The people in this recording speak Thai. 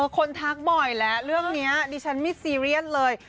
ทักบ่อยแล้วเรื่องนี้ดิฉันไม่ซีเรียสเลย